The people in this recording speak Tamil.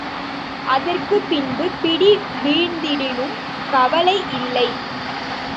அதற்குப் பின்பு பிடி வீழ்ந்திடினும் கவலை இல்லை.